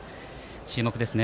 注目ですね。